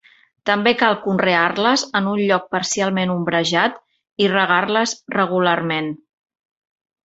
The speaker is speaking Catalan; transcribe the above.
També cal conrear-les en un lloc parcialment ombrejat i regar-les regularment.